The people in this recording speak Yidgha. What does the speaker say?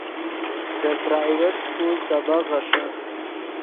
دے پرائیویٹ سکول سبق غیݰے